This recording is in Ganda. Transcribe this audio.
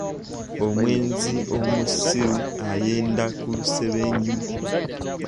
Omwenzi omusiru ayenda ku lusebenju.